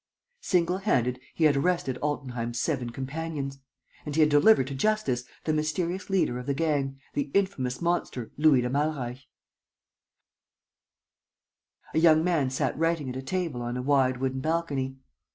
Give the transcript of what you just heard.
Single handed, he had arrested Altenheim's seven companions! And he had delivered to justice the mysterious leader of the gang, the infamous monster, Louis de Malreich! A young man sat writing at a table on a wide wooden balcony.